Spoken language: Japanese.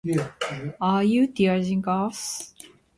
Are you teasing us?